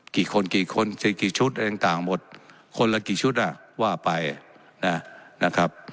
กี่คนกี่คนสี่กี่ชุดอะไรต่างหมดคนละกี่ชุดอ่ะว่าไปนะครับ